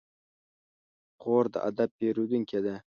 خور د ادب پېرودونکې ده.